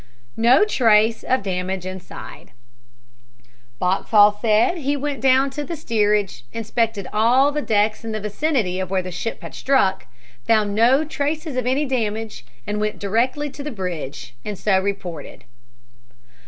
NO TRACE OF DAMAGE INSIDE Boxhall said he went down to the steerage, inspected all the decks in the vicinity of where the ship had struck, found no traces of any damage and went directly to the bridge and so reported.